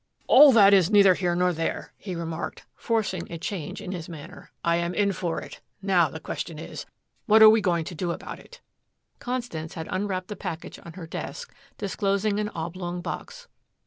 "All that is neither here nor there," he remarked, forcing a change in his manner. "I am in for it. Now, the question is what are we going to do about it!" Constance had unwrapped the package on her desk, disclosing an oblong box.